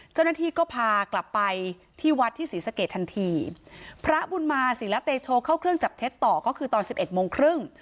เจ้าหน้าที่ก็พากลับไปที่วัดที่ศรีสะเกดทันทีพระบุญมาศิลเตโชเข้าเครื่องจับเท็จต่อก็คือตอนสิบเอ็ดโมงครึ่ง